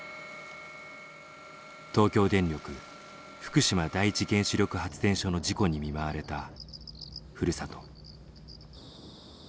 東京電力福島第一原子力発電所の事故に見舞われたふるさと。